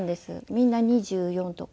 みんな２４とか。